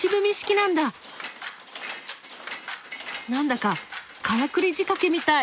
なんだかからくり仕掛けみたい。